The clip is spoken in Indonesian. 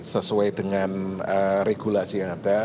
sesuai dengan regulasi yang ada